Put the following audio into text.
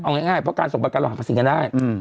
เอาง่ายเพราะการส่งประกันเราหักภาษีกันได้